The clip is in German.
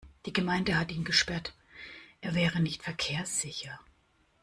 Die Gemeinde hat ihn gesperrt. Er wäre nicht verkehrssicher.